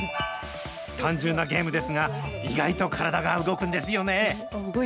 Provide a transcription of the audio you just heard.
単純なゲームですが、意外と体が動くんですよね。